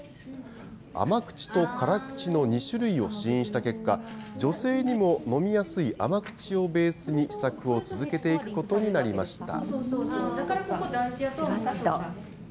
甘口と辛口の２種類を試飲した結果、女性にも飲みやすい甘口をベースに試作を続けていくことになりました。